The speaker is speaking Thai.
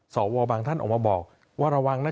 สวบางท่านออกมาบอกว่าระวังนะ